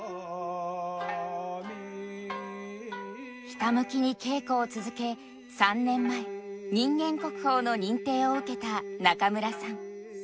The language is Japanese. ひたむきに稽古を続け３年前人間国宝の認定を受けた中村さん。